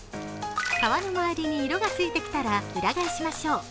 皮の周りに色がついてきたら裏返しましょう。